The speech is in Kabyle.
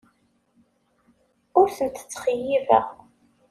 Ur tent-ttxeyyibeɣ.